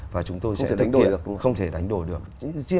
và chúng tôi sẽ đánh đổi được